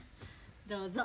どうぞ。